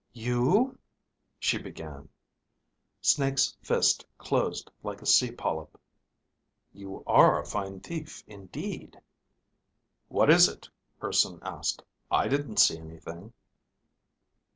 "You ..." she began. Snake's fist closed like a sea polyp. "You are a fine thief, indeed." "What is it?" Urson asked. "I didn't see anything."